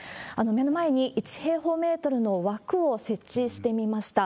目の前に１平方メートルの枠を設置してみました。